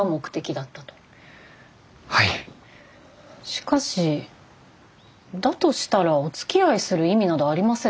しかしだとしたらおつきあいする意味などありません。